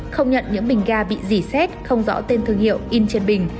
không nhận những bình ga bị dì xét không rõ tên thương hiệu in trên bình